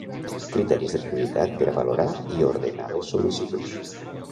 Criteris de prioritat per a valorar i ordenar les sol·licituds.